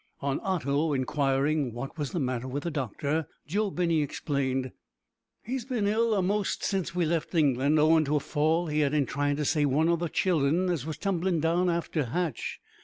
On Otto inquiring what was the matter with the doctor, Joe Binney explained "He's been ill a'most since we left England, owin' to a fall he had in tryin' to save one o' the child'n as was tumblin' down the after hatch.